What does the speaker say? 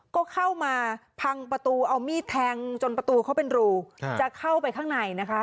ก็เข้ามาพังประตูเอามีดแทงจนประตูเขาเป็นรูจะเข้าไปข้างในนะคะ